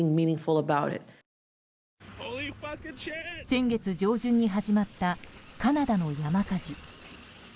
先月上旬に始まったカナダの山火事。